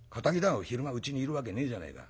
昼間うちにいるわけねえじゃねえか。